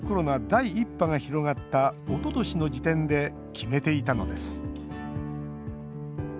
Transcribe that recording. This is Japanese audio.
第１波が広がったおととしの時点で決めていたのです。